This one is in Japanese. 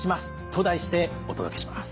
と題してお届けします。